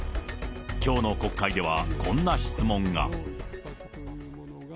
きょうの国会では、こんな質問が。